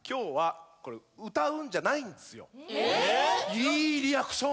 いいリアクション。